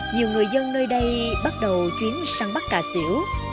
nhiều người dân nơi đây bắt đầu chuyến sang bắt cà xỉu